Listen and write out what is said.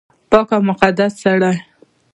پاک او مقدس سړی